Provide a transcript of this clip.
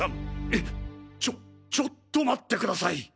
えっちょちょっと待ってください。